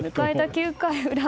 ９回裏。